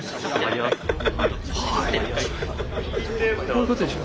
こういうことでしょ？